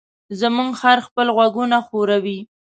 زموږ خر خپل غوږونه ښوروي.